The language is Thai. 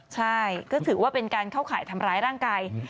ใช่ก็ถือว่าเป็นการเข้าข่ายทำร้ายร่างกาย